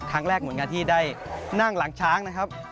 ครั้งแรกหน่วยงานที่ได้นั่งหลังช้างนะครับ